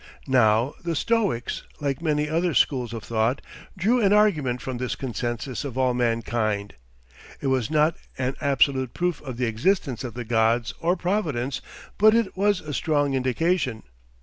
Now, the Stoics, like many other schools of thought, drew an argument from this consensus of all mankind. It was not an absolute proof of the existence of the Gods or Providence, but it was a strong indication.